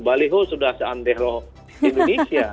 balihoh sudah se andero indonesia